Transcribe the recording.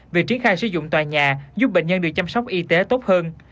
việc triển khai sử dụng tòa nhà giúp bệnh nhân được chăm sóc y tế tốt hơn